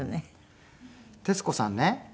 徹子さんね